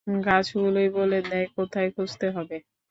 গাছগুলোই বলে দেয় কোথায় খুঁজতে হবে।